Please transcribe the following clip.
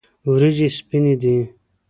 وریجې سپینې دي.